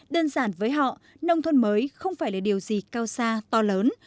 đơn giản với họ nông thôn mới không phải là điều gì cao xa to lớn